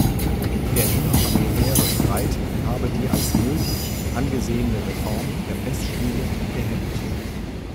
Der innerfamiliäre Streit habe die als „nötig“ angesehene Reform der Festspiele gehemmt.